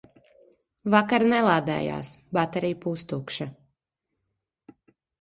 Vakar nelādējās, baterija pustukša.